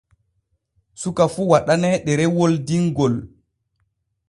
Suka fu waɗanee ɗerewol dinŋol.